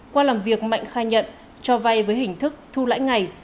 qua làm việc mạnh khai nhận cho vay với hình thức thu lãi ngày